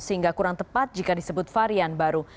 sehingga kurang tepat jika disebut varian baru